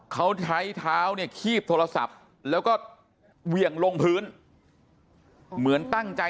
เขาใช้เท้าเนี่ยคีบโทรศัพท์แล้วก็เหวี่ยงลงพื้นเหมือนตั้งใจ